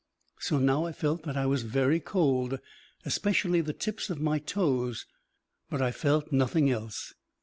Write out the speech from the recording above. So now I felt that I was very cold, especially the tips of my toes, but I felt nothing else.